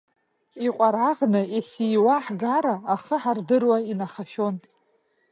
Иҟәараӷны ес-ииуа ҳгара, ахы ҳардыруа инахашәон.